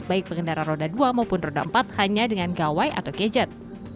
baik pengendara roda dua maupun roda empat hanya dengan gawai atau gadget